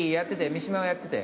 三島はやってて。